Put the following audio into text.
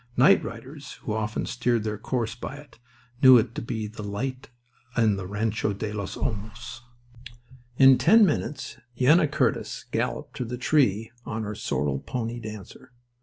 Night riders, who often steered their course by it, knew it to be the light in the Rancho de los Olmos. In ten minutes Yenna Curtis galloped to the tree on her sorrel pony Dancer.